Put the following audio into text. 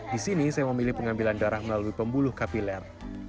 di sini saya memilih pengambilan darah melalui pembuluh kapiler